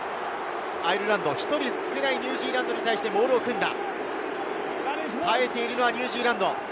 アイルランドは１人少ないニュージーランドに対してモールを組んだ。